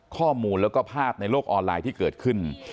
ข้อมูลแล้วก็ภาพในโลกออนไลน์ที่เกิดขึ้น